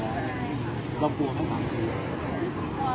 ตอนนี้กำหนังไปคุยของผู้สาวว่ามีคนละตบ